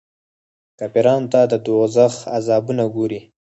کافرانو ته د دوږخ عذابونه ګوري.